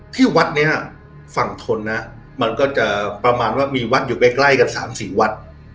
ที่วัดเนี้ยฝั่งทนนะมันก็จะประมาณว่ามีวัดอยู่ใกล้ใกล้กับสามสี่วัด